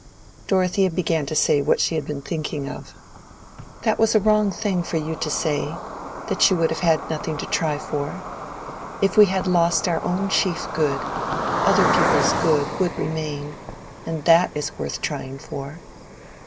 Dorothea began to say what she had been thinking of. "That was a wrong thing for you to say, that you would have had nothing to try for. If we had lost our own chief good, other people's good would remain, and that is worth trying for.